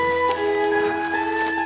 oke sampai jumpa